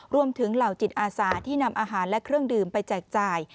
เหล่าจิตอาสาที่นำอาหารและเครื่องดื่มไปแจกจ่าย